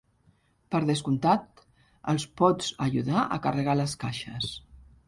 Per descomptat, els pots ajudar a carregar les caixes.